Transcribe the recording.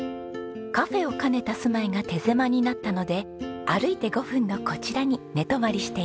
カフェを兼ねた住まいが手狭になったので歩いて５分のこちらに寝泊まりしています。